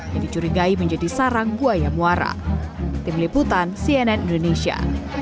yang dicurigai menjadi sarang buaya muara